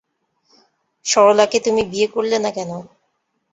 সরলাকে তুমি বিয়ে করলে না কেন।